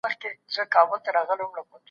تر هغه وخته پوري انتظار وکړه چي خبر درکړم.